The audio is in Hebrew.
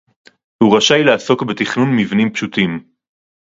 הוא רשאי לעסוק בתכנון מבנים פשוטים